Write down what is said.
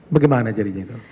bagaimana jadinya itu